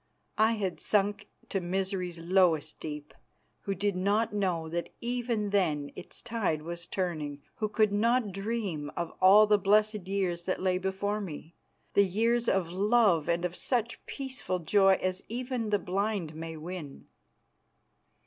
I had sunk to misery's lowest deep, who did not know that even then its tide was turning, who could not dream of all the blessed years that lay before me, the years of love and of such peaceful joy as even the blind may win.